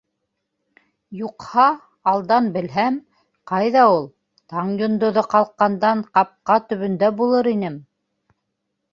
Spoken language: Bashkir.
Юҡһа, алдан белһәм, ҡайҙа ул, таң йондоҙо ҡалҡҡандан ҡапҡа төбөндә булыр инем.